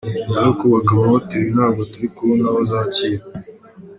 Nyuma yo kubaka amahoteli, ntabwo turi kubona abo zakira.